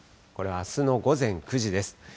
これは、あすの午前９時です。